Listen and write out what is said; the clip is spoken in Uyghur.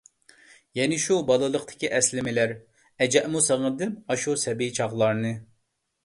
يەنە ئاشۇ بالىلىقتىكى ئەسلىمىلەر، ھەجەپمۇ سېغىندىم ئاشۇ سەبىي چاغلارنى...